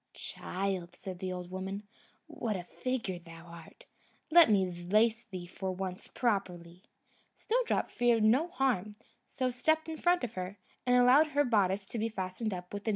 "Child," said the old woman, "what a figure thou art! Let me lace thee for once properly." Snowdrop feared no harm, so stepped in front of her, and allowed her bodice to be fastened up with the new lace.